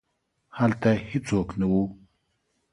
هلته هیڅوک نه وو.